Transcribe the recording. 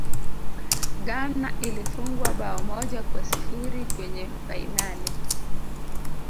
ghana ilifungwa bao moja kwa sifuri kwenye fainali